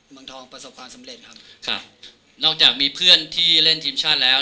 เมืองทองประสบความสำเร็จครับครับนอกจากมีเพื่อนที่เล่นทีมชาติแล้ว